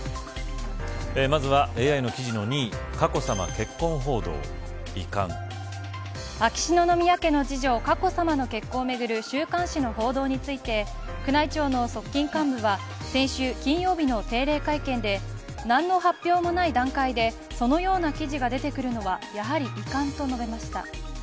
まずはＡＩの記事の２位秋篠宮家の次女佳子さまの結婚をめぐる週刊誌の報道について宮内庁の側近幹部は先週金曜日の定例会見で何の発表もない段階でそのような記事が出てくるのはやはり遺憾と述べました。